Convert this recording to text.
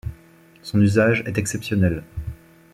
Son usage est exceptionnel.